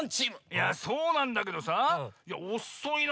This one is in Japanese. いやそうなんだけどさおっそいな。